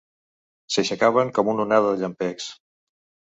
S'aixecaven com una onada de llampecs.